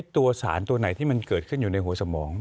ตัวสารตัวไหนที่มันเกิดขึ้นอยู่ในหัวสมอง